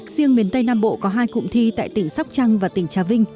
riêng miền tây nam bộ có hai cụm thi tại tỉnh sóc trăng và tỉnh trà vinh